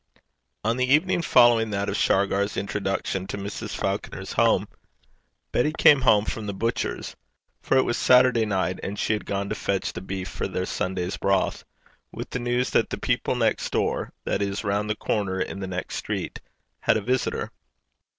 On the evening following that of Shargar's introduction to Mrs. Falconer's house, Betty came home from the butcher's for it was Saturday night, and she had gone to fetch the beef for their Sunday's broth with the news that the people next door, that is, round the corner in the next street, had a visitor.